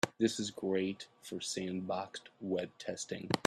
This is great for sandboxed web testing.